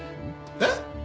えっ！？